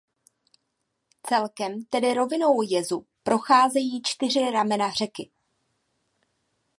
Celkem tedy rovinou jezu procházejí čtyři ramena řeky.